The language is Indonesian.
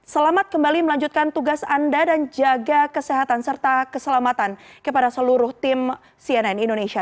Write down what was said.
selamat kembali melanjutkan tugas anda dan jaga kesehatan serta keselamatan kepada seluruh tim cnn indonesia